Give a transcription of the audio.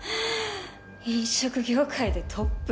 飲食業界でトップ？